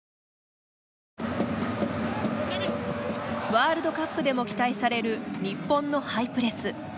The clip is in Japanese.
ワールドカップでも期待される日本のハイプレス。